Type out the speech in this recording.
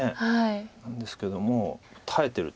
なんですけども耐えてると。